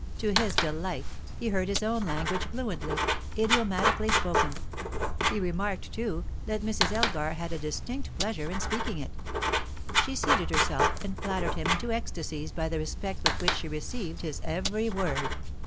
To his delight, he heard his own language fluently, idiomatically spoken; he remarked, too, that Mrs. Elgar had a distinct pleasure in speaking it. She seated herself, and flattered him into ecstasies by the respect with which she received his every word.